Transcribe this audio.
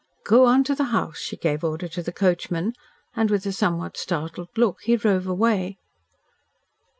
"Go on to the house," she gave order to the coachman, and, with a somewhat startled look, he drove away.